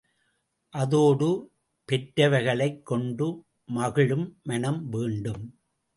அதோடு பெற்றவைகளைக் கொண்டு மகிழும் மனம் வேண்டும்.